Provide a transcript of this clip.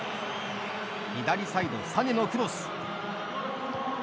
左サイド、サネのクロス。